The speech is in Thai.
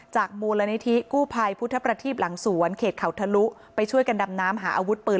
มูลนิธิกู้ภัยพุทธประทีบหลังสวนเขตเขาทะลุไปช่วยกันดำน้ำหาอาวุธปืน